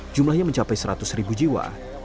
jumlahnya mencapai seratus ribu jiwa